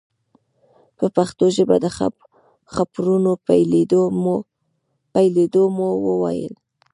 په پښتو ژبه د خپرونو پیلېدو مو وویل.